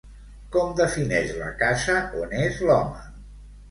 Com defineix la casa on és l'home?